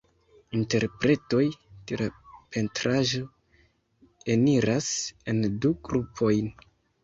Interpretoj de la pentraĵo eniras en du grupojn.